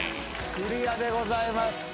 クリアでございます。